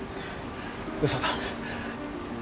嘘だ